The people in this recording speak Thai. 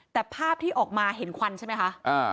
แต่ภาพที่ออกมาเห็นควันใช่ไหมคะ